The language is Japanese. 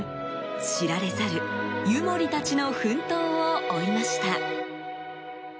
知られざる湯守たちの奮闘を追いました。